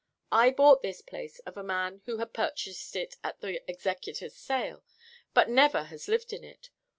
I bought this place of a man who had purchased it at the executors' sale but never has lived in it.